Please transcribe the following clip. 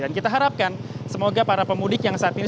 dan kita harapkan semoga para pemudik yang saat ini